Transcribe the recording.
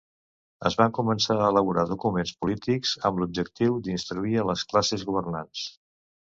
Es van començar a elaborar documents polítics amb l'objectiu d'instruir a les classes governants.